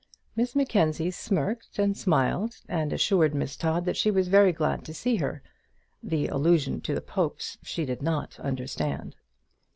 Miss Mackenzie smirked and smiled, and assured Miss Todd that she was very glad to see her. The allusion to the Popes she did not understand.